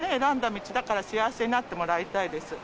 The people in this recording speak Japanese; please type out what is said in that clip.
自分の選んだ道だから、幸せになってもらいたいです。